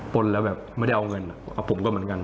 ปนแล้วแบบไม่ได้เอาเงินผมก็เหมือนกัน